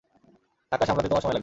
ধাক্কা সামলাতে তোমার সময় লাগবে।